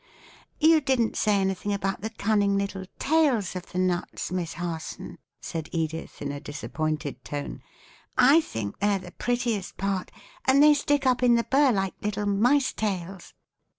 "You didn't say anything about the cunning little tails of the nuts, Miss Harson," said Edith, in a disappointed tone. "I think they're the prettiest part, and they stick up in the burr like little mice tails."